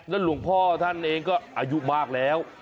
หลวงพ่อท่านเองก็อายุมากแล้ว